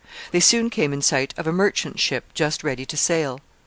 They soon came in sight of a merchant ship just ready to sail.